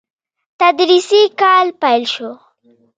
تدريسي کال پيل شو.